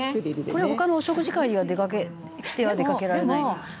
「これ他のお食事会には着ては出掛けられない」